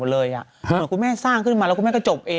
เหมือนคุณแม่สร้างขึ้นมาแล้วคุณแม่ก็จบเอง